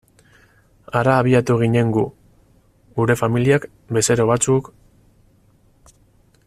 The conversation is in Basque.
Hara abiatu ginen gu, gure familiak, bezero batzuk...